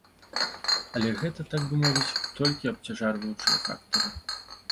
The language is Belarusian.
Але гэта, так бы мовіць, толькі абцяжарваючыя фактары.